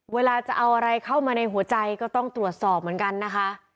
เวลาจะเอาอะไรเข้ามาในหัวใจก็ต้องตรวจสอบเหมือนกันนะคะ